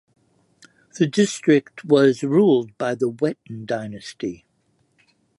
The district was ruled by the Wettin dynasty.